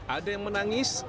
ada yang menangis